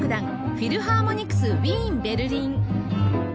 フィルハーモニクスウィーン＝ベルリン